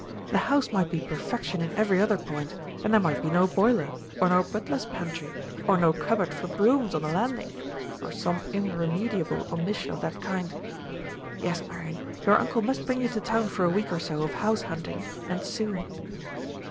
The house might be perfection in every other point, and there might be no boiler, or no butler's pantry, or no cupboard for brooms on the landing, or some irremediable omission of that kind. Yes, Marian, your uncle must bring you to town for a week or so of house hunting, and soon."